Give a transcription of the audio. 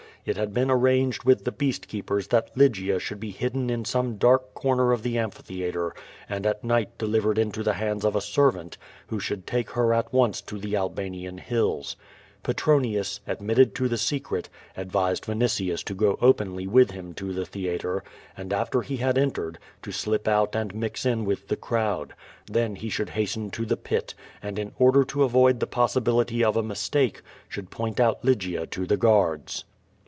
It had been arranged with the beast keepers that Lygia should be hidden in some dark corner of the amphitheatre and at night deliv ered into the hands of a servant, who should take her at once to the Albanian hills. Petronius, admitted to the secret, advised Vinitius to go openly with him to the theatre, and, after he had entered, to slip out and mix in with the crowd. Then he should hasten to the pit, and, in order to avoid the possibility of a mistake, should point out Lygia to the guards.